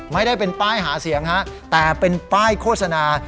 ไม่ได้เป็นป้ายหาเสียงฮะแต่เป็นป้ายโฆษณา